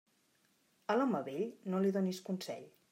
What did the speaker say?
A l'home vell no li donis consell.